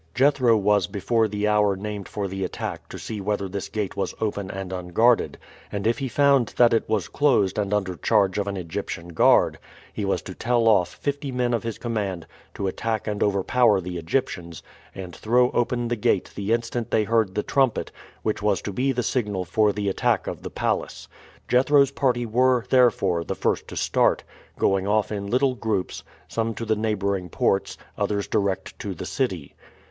Jethro was before the hour named for the attack to see whether this gate was open and unguarded, and if he found that it was closed and under charge of an Egyptian guard, he was to tell off fifty men of his command to attack and overpower the Egyptians, and throw open the gate the instant they heard the trumpet, which was to be the signal for the attack of the palace. Jethro's party were, therefore, the first to start, going off in little groups, some to the neighboring ports, others direct to the city.